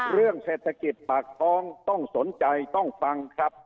เรื่องเศรษฐกิจปากท้องต้องสนใจต้องฟังครับ